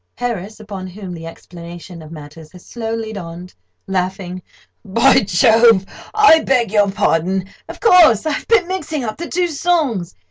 HARRIS (upon whom the explanation of matters has slowly dawned—laughing): "By Jove! I beg your pardon. Of course—I've been mixing up the two songs.